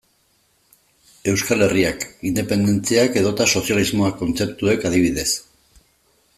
Euskal Herriak, independentziak edota sozialismoak kontzeptuek, adibidez.